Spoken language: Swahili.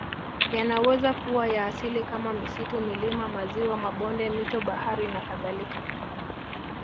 Yanaweza kuwa ya asili kama misitu milima maziwa mabonde mito bahari nakadhalka